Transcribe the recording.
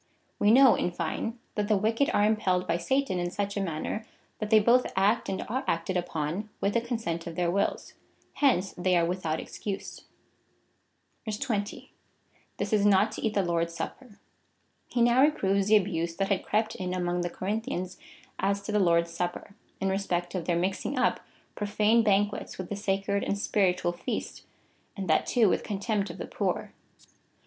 We know, in fine, that the wicked are impelled by Satan in such a manner, that they both act and are acted ujjon with the consent of their wills.^ Hence they are with out excuse. 20. This is not to eat the Lord's supper. He now reproves the abuse that had crept in among the Corinthians as to the Lord's Supper, in respect of their mixing up profane banquets with the sacred and si)iritual feast, and that too with contemj)t of the poor.